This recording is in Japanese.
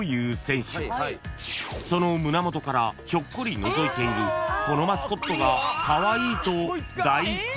［その胸元からひょっこりのぞいているこのマスコットが］